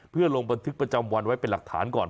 เพื่อลงบันทึกประจำวันไว้เป็นหลักฐานก่อน